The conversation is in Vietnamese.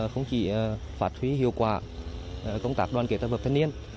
phát huy hiệu quả công tác đoàn kể tập hợp thanh niên